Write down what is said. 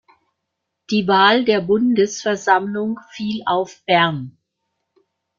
Die Wahl der Bundesversammlung fiel auf Bern.